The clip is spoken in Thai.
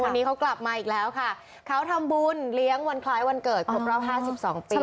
วันนี้เขากลับมาอีกแล้วค่ะเขาทำบุญเลี้ยงวันคล้ายวันเกิดครบรอบห้าสิบสองปี